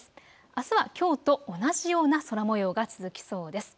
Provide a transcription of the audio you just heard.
あすはきょうと同じような空もようが続きそうです。